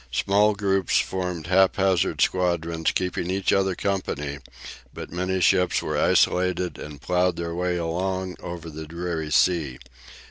Small groups formed haphazard squadrons, keeping each other company, but many ships were isolated and ploughed their way alone over the dreary sea.